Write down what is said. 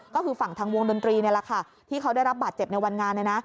ก็คือฝั่งทางวงดนตรีนี่แหละค่ะที่เขาได้รับบาดเจ็บในวันงานเนี่ยนะ